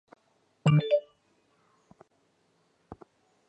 普吕尼亚讷。